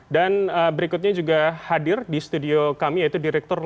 dan berikutnya juga hadir di studio kami yaitu direktur limit